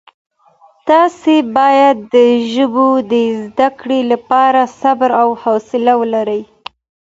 تاسي باید د ژبو د زده کړې لپاره صبر او حوصله ولرئ.